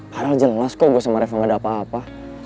karena jelas kok gue sama reva gak ada apa apa